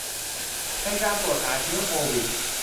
ในการตรวจหาเชื้อโควิด